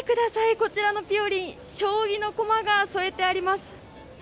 こちらのぴよりん、将棋の駒が添えてあります。